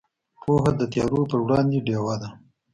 پوهه د تیارو پر وړاندې ډیوه ده.